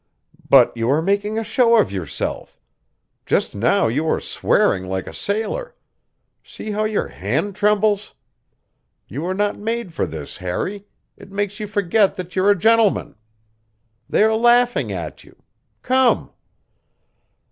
"But you are making a show of yourself. Just now you were swearing like a sailor. See how your hand trembles! You were not made for this, Harry; it makes you forget that you're a gentleman. They are laughing at you. Come."